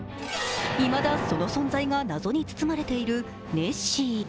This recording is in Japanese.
いまだその存在が謎に包まれているネッシー。